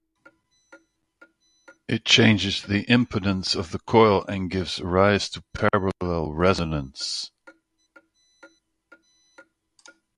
It changes the impedance of the coil and gives rise to parallel resonance.